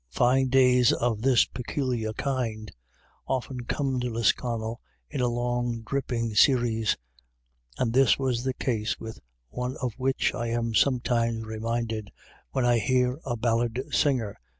Fine days of this peculiar kind often come to Lisconnel in a long, dripping series, and this was the case with one of which I am sometimes reminded when I hear a ballad singer A WET DAY.